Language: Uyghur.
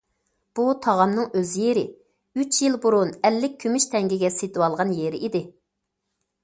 بۇ تاغامنىڭ ئۆز يېرى، ئۈچ يىل بۇرۇن ئەللىك كۈمۈش تەڭگىگە سېتىۋالغان يېرى ئىدى.